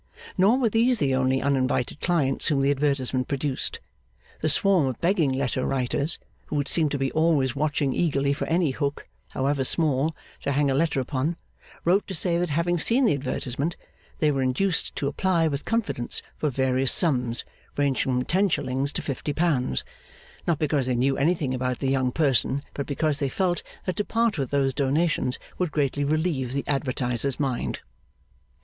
Nor were these the only uninvited clients whom the advertisement produced. The swarm of begging letter writers, who would seem to be always watching eagerly for any hook, however small, to hang a letter upon, wrote to say that having seen the advertisement, they were induced to apply with confidence for various sums, ranging from ten shillings to fifty pounds: not because they knew anything about the young person, but because they felt that to part with those donations would greatly relieve the advertiser's mind.